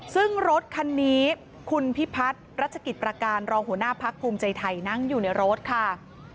ซึ่งรถคันนี้คุณพิพัฒน์รัชกิจประการรองหัวหน้าพักภูมิใจไทยนั่งอยู่ในรถค่ะ